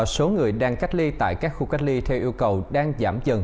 số người đang cách ly tại các khu cách ly theo yêu cầu đang giảm dần